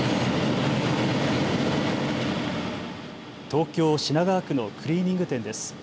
東京品川区のクリーニング店です。